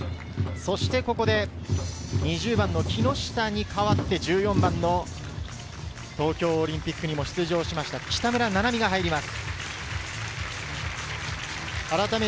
そして、ここで２０番・木下に代わって１４番の東京オリンピックに出場しました、北村菜々美が入ります。